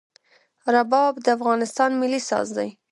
رباب د افغانستان ملي ساز دی.